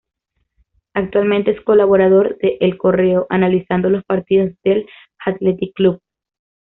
Actualmente es colaborador de El Correo analizando los partidos del Athletic Club.